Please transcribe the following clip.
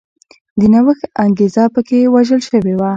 د نوښت انګېزه په کې وژل شوې وه.